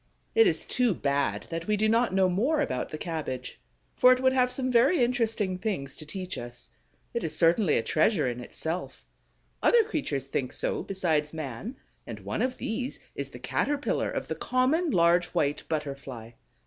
It is too bad that we do not know more about the cabbage, for it would have some very interesting things to teach us. It is certainly a treasure in itself. Other creatures think so besides man; and one of these is the Caterpillar of the common Large White Butterfly.